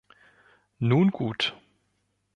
Nun gut.